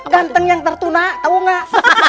ganteng yang tertunak tau nggak